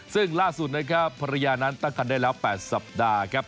ซึ่งล่าสุดนะครับภรรยานั้นตั้งคันได้แล้ว๘สัปดาห์ครับ